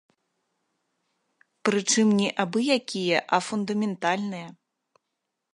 Прычым не абы-якія, а фундаментальныя!